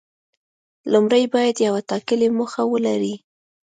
لومړی باید یوه ټاکلې موخه ولري.